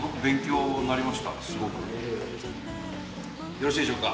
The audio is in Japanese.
よろしいでしょうか？